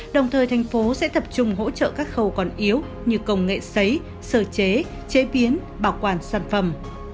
đồng thời thành phố sẽ tập trung hỗ trợ các khẩu còn yếu như công nghệ xấy sở chế chế biến bảo quản sản phẩm